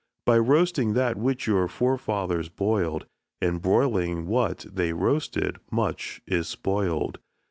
By roasting that which your forefathers boil'd, And broiling what they roasted, much is spoil'd.